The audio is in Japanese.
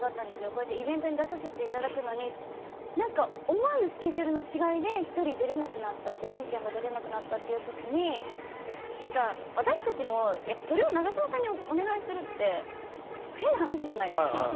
こうやってイベントに出させていただくのに思わぬスケジュールの違いで１人出れなくなったれにちゃんが出られなくなった時に私たちもそれを永島さんにお願いするって変な話じゃないですか。